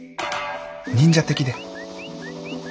忍者的で。